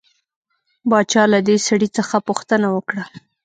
باچا له دې سړي څخه پوښتنه وکړه.